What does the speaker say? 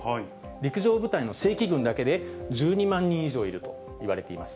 陸上部隊の正規軍だけで１２万人以上いるといわれています。